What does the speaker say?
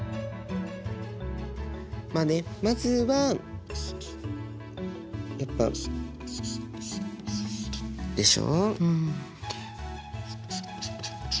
まあねまずはやっぱでしょ。